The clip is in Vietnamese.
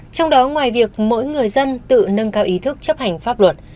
trong đó ngoài việc mỗi người dân tự nâng cao ý thức chấp hành pháp luật